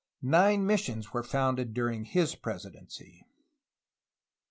Nine missions were founded during his presidency.